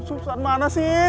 suksan mana sih